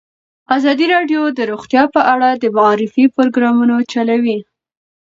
ازادي راډیو د روغتیا په اړه د معارفې پروګرامونه چلولي.